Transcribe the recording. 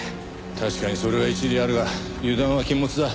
確かにそれは一理あるが油断は禁物だ。